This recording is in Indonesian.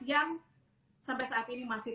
yang sampai saat ini masih